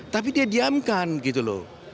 tapi dia diamkan gitu loh